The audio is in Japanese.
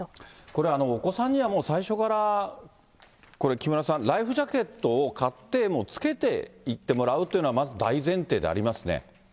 これ、お子さんにはもう最初からこれ、木村さん、ライフジャケットを買って、もうつけていってもらうというのは、まず大前提でありますね。